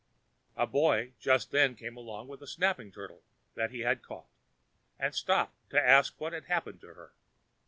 A boy just then came along with a snapping turtle that he had caught, and stopped to ask what had happened to her.